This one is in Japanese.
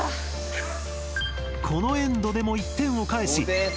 このエンドでも１点を返し。